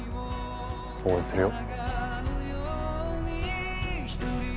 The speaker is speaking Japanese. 応援するよ。